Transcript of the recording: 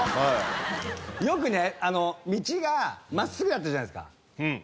よくね道が真っすぐだったじゃないですか。